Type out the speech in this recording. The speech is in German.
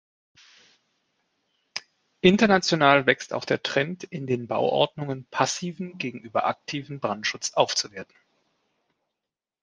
International wächst auch der Trend, in den Bauordnungen passiven gegenüber aktiven Brandschutz aufzuwerten.